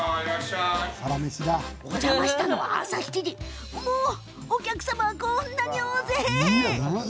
お邪魔したのは朝７時お客様はこんなに大勢！